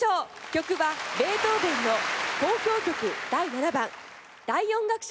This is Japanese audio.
曲はベートーヴェンの『交響曲第７番』第４楽章です。